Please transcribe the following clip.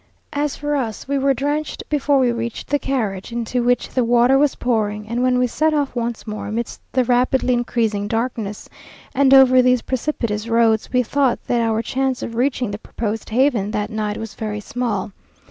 As for us, we were drenched before we reached the carriage, into which the water was pouring, and when we set off once more amidst the rapidly increasing darkness, and over these precipitous roads, we thought that our chance of reaching the proposed haven that night was very small.